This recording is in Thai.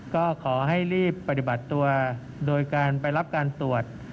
ก็ขอให้รีบปฏิบัติตัวโดยการไปรับการตรวจ